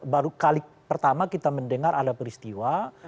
baru kali pertama kita mendengar ada peristiwa